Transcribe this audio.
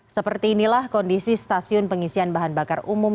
seperti inilah kondisi stasiun pengisian bahan bakar umum